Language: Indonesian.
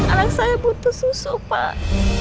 anak saya butuh susu pak